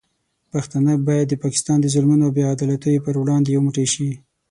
پښتانه باید د پاکستان د ظلمونو او بې عدالتیو پر وړاندې یو موټی شي.